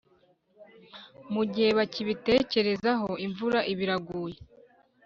mu gihe bakibitekerezaho, imvura iba iraguye.